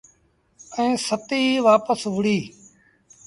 ائيٚݩ ستيٚ ئيٚ وآپس وهُڙي۔